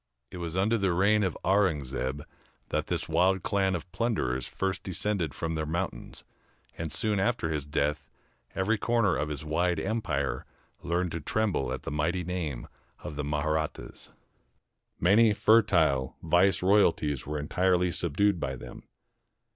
It was under the reign of Aurungzebe that this wild clan of plunderers first descended from their mountains; and soon after his death, every corner of his wide empire learned to tremble at the mighty name of the Mahrattas. Many fertile vice royalties were entirely subdued by them.